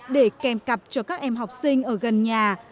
để kèm cặp cho các em học sinh ở gần nhà